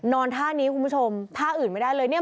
นอนท่านี้คุณผู้ชมท่าอื่นไม่ได้เลย